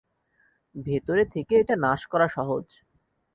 ভেতরে থেকে এটা নাশ করা সহজ।